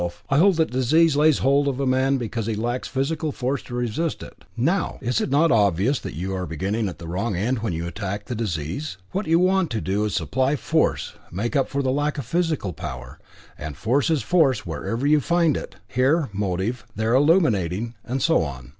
I hold that disease lays hold of a man because he lacks physical force to resist it. Now, is it not obvious that you are beginning at the wrong end when you attack the disease? What you want is to supply force, make up for the lack of physical power, and force is force wherever you find it here motive, there illuminating, and so on.